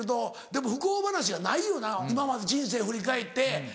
でも不幸話がないよな今まで人生を振り返って。